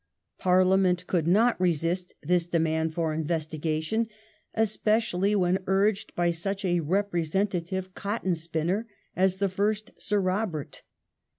Parliament could not resist this demand for investigation, especially when urged by such a representative cotton spinner as the fii*st Sir Robert.